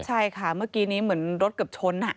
ใช่ค่ะเมื่อกี้นี้เหมือนรถเกือบชน